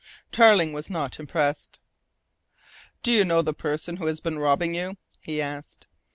Tarling was not impressed. "Do you know the person who has been robbing you?" he asked.